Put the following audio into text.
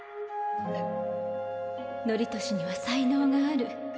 憲紀には才能がある。